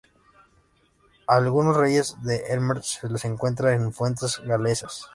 A algunos reyes de Elmet se les recuerda en fuentes galesas.